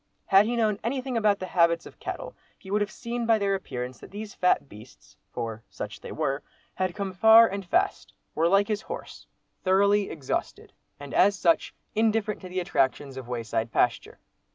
Had he known anything about the habits of cattle, he would have seen by their appearance that these fat beasts (for such they were) had come far and fast; were like his horse, thoroughly exhausted, and as such, indifferent to the attractions of wayside pasture.